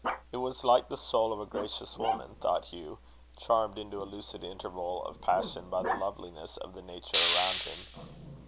"It is like the soul of a gracious woman," thought Hugh, charmed into a lucid interval of passion by the loveliness of the nature around him.